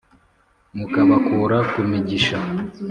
Mukabakura ku migisha.